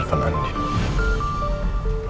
apa ini notir kenangnya